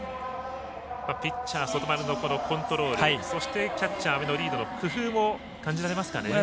ピッチャー、外丸のコントロールそして、キャッチャー阿部のリードの工夫も感じられますかね。